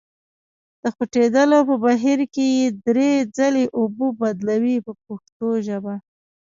د خوټېدلو په بهیر کې یې درې ځلې اوبه بدلوئ په پښتو ژبه.